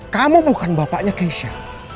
kamu bukan bapaknya keisha